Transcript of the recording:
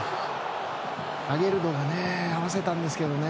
アゲルドが合わせたんですけどね。